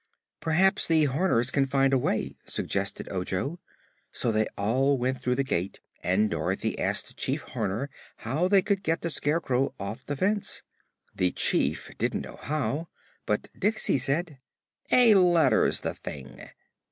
"Perhaps the Horners can find a way," suggested Ojo. So they all went through the gate and Dorothy asked the Chief Horner how they could get the Scarecrow off the fence. The Chief didn't know how, but Diksey said: "A ladder's the thing."